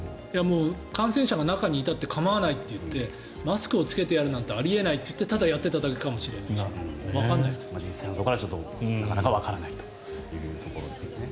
感染者が中にいたって構わないといってマスクを着けてやるなんてあり得ないと言ってただやっていただけかもしれないしわからないですね。